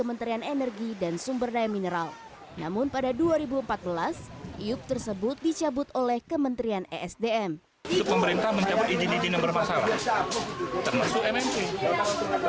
mereka menemukan pemerintah yang mencabut izin izin yang bermasalah termasuk mmp